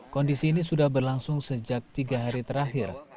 kondisi ini sudah berlangsung sejak tiga hari terakhir